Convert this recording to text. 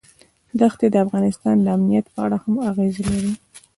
دښتې د افغانستان د امنیت په اړه هم اغېز لري.